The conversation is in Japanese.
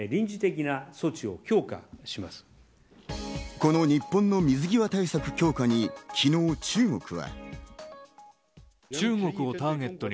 この日本の水際対策強化に昨日、中国は。